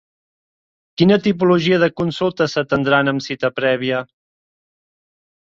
Quina tipologia de consultes s'atendran amb cita prèvia?